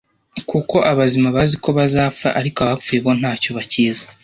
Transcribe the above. Kuko abazima bazi ko bazapfa, ariko abapfuye bo nta cyo bakizi